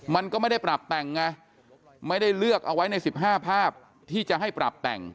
มันก็ไม่ได้ปรับแต่งไงไม่ได้เลือกเอาไว้ใน๑๕ภาพที่จะให้ปรับแต่ง